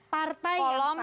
partai yang sama